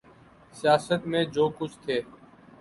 سیاست میں جو کچھ تھے۔